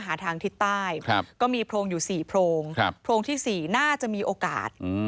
หาทางทิศใต้ก็มีโพรงอยู่๔โพรงโพรงที่๔น่าจะมีโอกาส